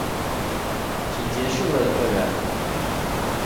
只結束了一個人